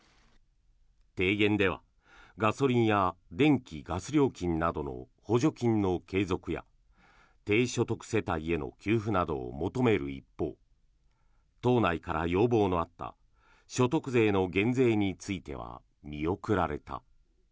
提言ではガソリンや電気・ガス料金などの補助金の継続や低所得世帯への給付などを求める一方党内から要望のあった所得税の減税については見送られた。